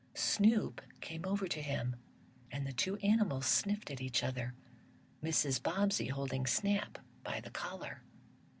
Snoop came over to him, and the two animals sniffed at each other, Mrs. Bobbsey holding Snap by the collar.